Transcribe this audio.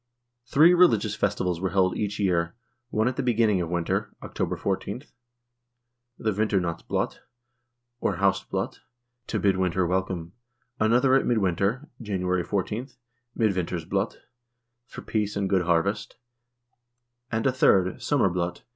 Three religious festivals were held each year : one at the beginning of winter (October 14), the vinternatsblot, or hanstblot, to bid winter welcome; another at midwinter (January 14), midvintersbldt,2 for peace and good harvest; and a third, som 1 P.